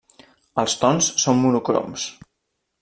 Els tons són monocroms.